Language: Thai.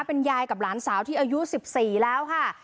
เป็นยายกับหลานสาวที่อายุ๑๔แล้วค่ะ